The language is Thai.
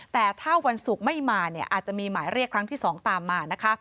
แต่ถ้าวันศุกร์ไม่มาเนี่ยอาจจะมีหมายเรียกครั้งที่๒ตามมานะคะ